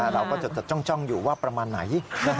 เราก็จดจ้องอยู่ว่าประมาณไหน